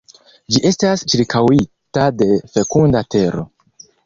Ĝi estas ĉirkaŭita de fekunda tero.